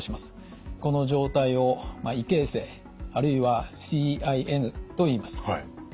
この状態を異形成あるいはＣＩＮといいます。